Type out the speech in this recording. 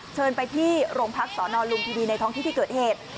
เชิญไปที่โรงพักษณ์สอนอนลุงที่ดีในท้องที่เกิดเหตุ